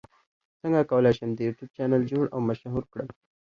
څنګه کولی شم د یوټیوب چینل جوړ او مشهور کړم